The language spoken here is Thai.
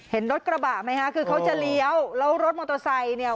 เห็นรถกระบะไหมคะคือเขาจะเลี้ยวแล้วรถมอเตอร์ไซค์เนี่ย